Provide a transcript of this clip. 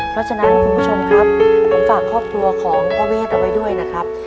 เพราะฉะนั้นคุณผู้ชมครับผมฝากครอบครัวของพ่อเวทเอาไว้ด้วยนะครับ